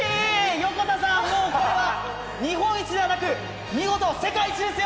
横田さん、これは日本一ではなくて見事、世界一ですよ。